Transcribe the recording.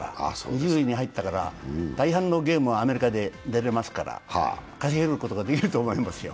２０位に入ったから、大半のゲームにアメリカで出れますから稼ぐことができると思いますよ。